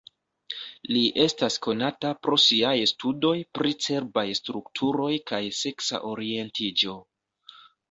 Li estas konata pro siaj studoj pri cerbaj strukturoj kaj seksa orientiĝo.